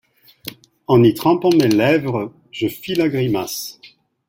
En y trempant mes lévres, je fis la grimace.